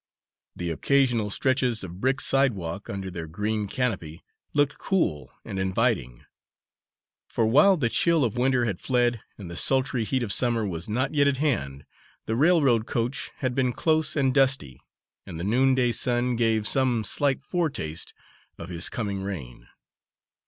The occasional stretches of brick sidewalk under their green canopy looked cool and inviting; for while the chill of winter had fled and the sultry heat of summer was not yet at hand, the railroad coach had been close and dusty, and the noonday sun gave some slight foretaste of his coming reign.